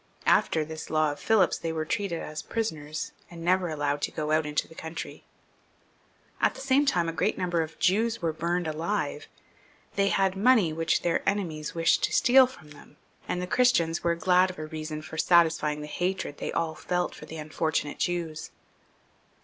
After this law of PhiKp's they were treated as prisoners, and never allowed to go out into the country. At the same time a great number of Jews were burned alive ; they had money which their enemies wished to steal from them^ and the Christians were glad of a reason for satisfying the hatred they all felt for the unfortunate Jews.